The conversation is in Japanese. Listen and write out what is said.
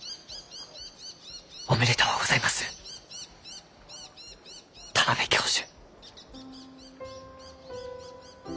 おめでとうございます田邊教授。